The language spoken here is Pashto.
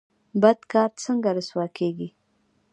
بد کار څنګه رسوا کیږي؟